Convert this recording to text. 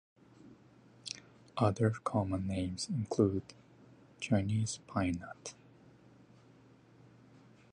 Other common names include Chinese pinenut.